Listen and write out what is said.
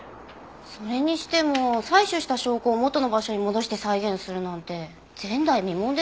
それにしても採取した証拠を元の場所に戻して再現するなんて前代未聞です。